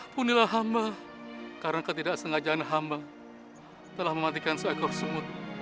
punilah hamba karena ketidaksengajaan hamba telah mematikan seekor semut